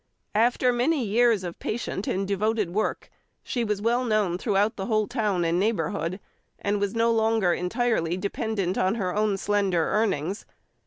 After many years of patient and devoted work she was well known throughout the whole town and neighbourhood, and was no longer entirely dependent on her own slender earnings.